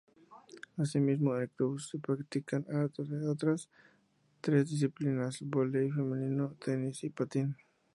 Asimismo, en el club se practican otras tres disciplinas: voley femenino, tenis y patín.